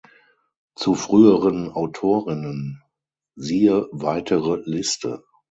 Zu früheren Autorinnen siehe weitere Liste.